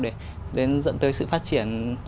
để dẫn tới sự phát triển